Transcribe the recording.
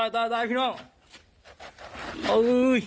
ตายพี่น้อง